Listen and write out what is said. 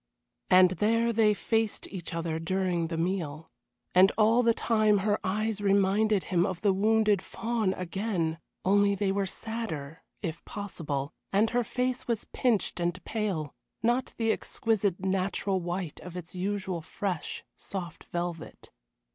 And there they faced each other during the meal, and all the time her eyes reminded him of the wounded fawn again, only they were sadder, if possible, and her face was pinched and pale, not the exquisite natural white of its usual fresh, soft velvet.